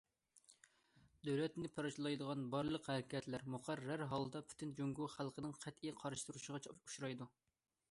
دۆلەتنى پارچىلايدىغان بارلىق ھەرىكەتلەر مۇقەررەر ھالدا پۈتۈن جۇڭگو خەلقىنىڭ قەتئىي قارشى تۇرۇشىغا ئۇچرايدۇ.